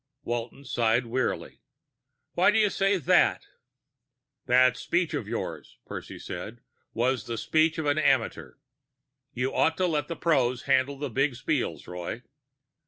Walton sighed wearily. "Why do you say that?" "That speech of yours," Percy said, "was the speech of an amateur. You ought to let pros handle the big spiels, Roy."